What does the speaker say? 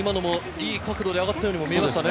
いい角度で上がったように見えましたね。